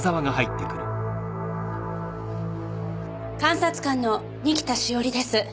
監察官の仁木田栞です。